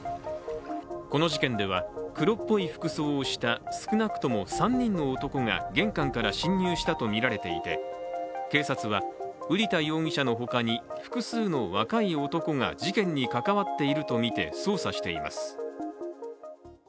この事件では黒っぽい服装をした少なくとも３人の男が玄関から侵入したとみられていて警察は瓜田容疑者の他に複数の若い男が事件に関わっているとみて、捜査しています。